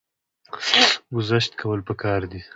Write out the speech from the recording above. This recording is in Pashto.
ګذشت کول پکار دي